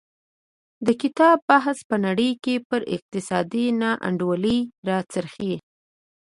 د کتاب بحث په نړۍ کې پر اقتصادي نا انډولۍ راڅرخي.